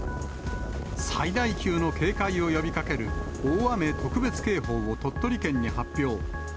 最大級の警戒を呼びかける、大雨特別警報を鳥取県に発表。